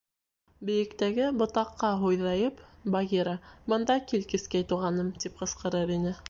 Бейектәге ботаҡҡа һуйҙайып, Багира: «Бында кил, Кескәй туғаным!» — тип ҡысҡырыр ине.